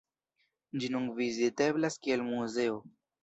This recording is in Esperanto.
Ĝi nun viziteblas kiel muzeo.